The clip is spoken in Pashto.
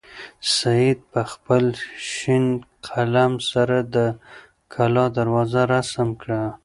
سعید په خپل شین قلم سره د کلا دروازه رسم کړه.